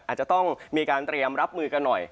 อาจจะต้องมีการเตรียมรับมือกันหน่อย